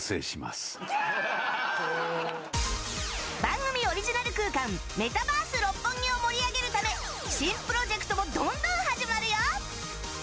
番組オリジナル空間メタバース六本木を盛り上げるため新プロジェクトもどんどん始まるよ！